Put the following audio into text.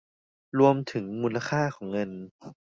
รวมถึงมูลค่าของเงิน